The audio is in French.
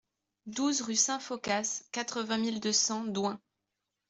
douze rue Saint-Phocas, quatre-vingt mille deux cents Doingt